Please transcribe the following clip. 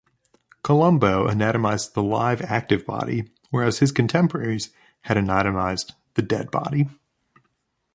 Colombo anatomized the live, active body whereas his contemporaries had anatomized the dead body.